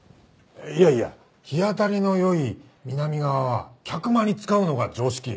いやいや日当たりの良い南側は客間に使うのが常識。